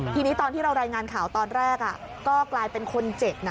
ทีนี้ตอนที่เรารายงานข่าวตอนแรกก็กลายเป็นคนเจ็บนะ